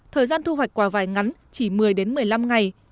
thời gian thu hoạch quả vải ngắn chỉ một mươi đến một mươi năm ngày